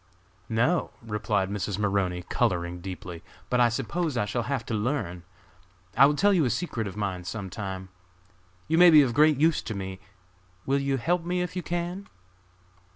"No!" replied Mrs. Maroney, coloring deeply; "but I suppose I shall have to learn! I will tell you a secret of mine some time. You may be of great use to me, will you help me if you can?"